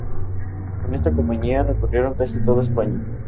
Con esta compañía recorrieron casi toda España.